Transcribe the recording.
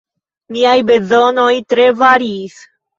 Miaj bezonoj tre variis.